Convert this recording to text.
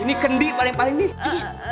ini kendi paling paling nih